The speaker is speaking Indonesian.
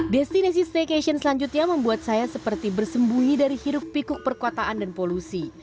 destinasi staycation selanjutnya membuat saya seperti bersembunyi dari hiruk pikuk perkotaan dan polusi